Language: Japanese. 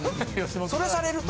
それされると。